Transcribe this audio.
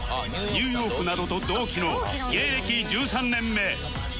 ニューヨークなどと同期の芸歴１３年目